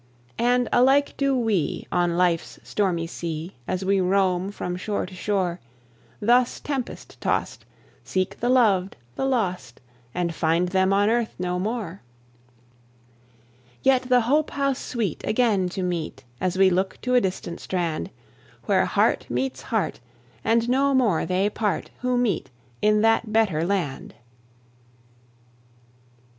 And alike do we, on life's stormy sea, As we roam from shore to shore, Thus tempest tossed, seek the loved, the lost, And find them on earth no more. Yet the hope how sweet, again to meet, As we look to a distant strand, Where heart meets heart, and no more they part Who meet in that better land.